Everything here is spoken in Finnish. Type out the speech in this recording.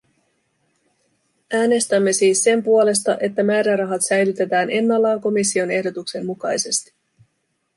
Äänestämme siis sen puolesta, että määrärahat säilytetään ennallaan komission ehdotuksen mukaisesti.